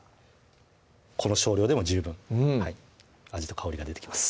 この少量でも十分うん味と香りが出てきます